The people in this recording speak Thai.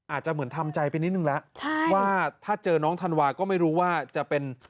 อาจจะเหมือนทำใจไปนิดนึงแล้วใช่ว่าถ้าเจอน้องธันวาก็ไม่รู้ว่าจะเป็น